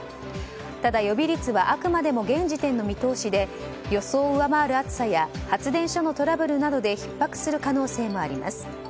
ただ、予備率はあくまでも現時点での見通しで予想を上回る暑さや発電所を取り巻く暑さでひっ迫する可能性もあります。